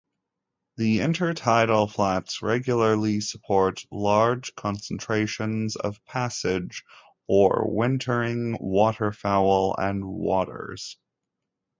The intertidal flats regularly support large concentrations of passage or wintering waterfowl and waders.